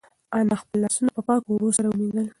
انا خپل لاسونه په پاکو اوبو سره ومینځل.